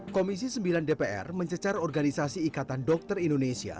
komisi sembilan dpr mencecar organisasi ikatan dokter indonesia